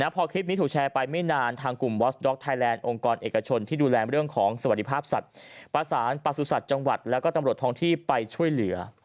พอคลิปนี้ถูกแชร์ไปไม่นานทางกลุ่มวอสด็อกไทยแลนด์องค์กรเอกชนที่ดูแลเรื่องของสวัสดิภาพสัตว์ประสานประสุทธิ์จังหวัดแล้วก็ตำรวจทองที่ไปช่วยเหลือ